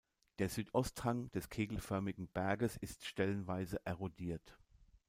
Der Südosthang des kegelförmigen Berges ist stellenweise erodiert.